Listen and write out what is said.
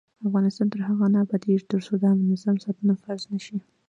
افغانستان تر هغو نه ابادیږي، ترڅو د عامه نظم ساتنه فرض نشي.